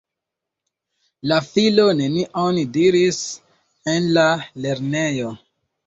La filo nenion diris en la lernejo.